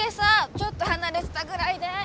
ちょっと離れてたぐらいで！